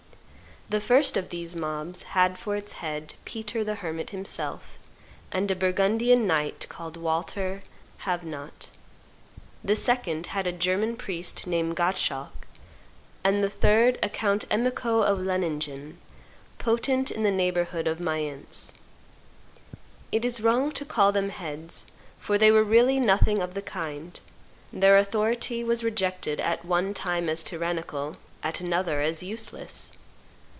The first of these mobs had for its head Peter the Hermit himself, and a Burgundian knight called Walter Havenought; the second had a German priest named Gottschalk; and the third a Count Emico, of Leiningen, potent in the neighborhood of Mayence. It is wrong to call them heads, for they were really nothing of the kind; their authority was rejected, at one time as tyrannical, at another as useless.